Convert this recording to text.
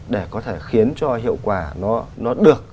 để có thể khiến cho hiệu quả nó được